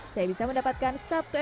jadi mampuétais endang untuk makan lalu